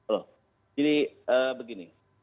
oh jadi begini